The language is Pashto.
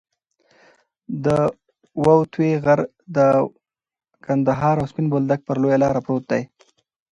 د وط غر د قندهار او سپین بولدک پر لویه لار پروت دی.